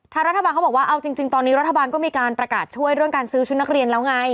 รัฐบาลเขาบอกว่าเอาจริงตอนนี้รัฐบาลก็มีการประกาศช่วยเรื่องการซื้อชุดนักเรียนแล้วไง